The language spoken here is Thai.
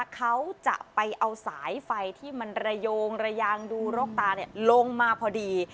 เขาจะไปเอาสายไฟที่มันระโยงระยางดูรกตาลงมาพอดี